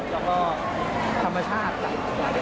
แล้วก็ธรรมชาติครับ